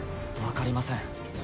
わかりません。